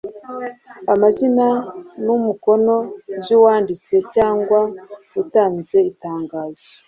Amazina n’umukono by’uwanditse cyangwa utanze itangazo.